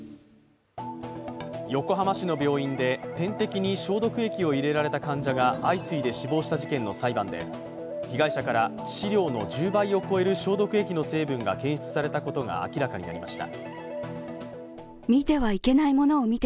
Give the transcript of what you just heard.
横浜市の病院で点滴に消毒液を入れられた患者が相次いで死亡した事件の裁判で被害者から質資料の１０倍を超える消毒液の成分が検出されたことが明らかになりました。